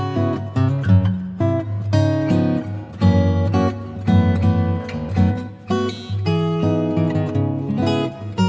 ya pak lihat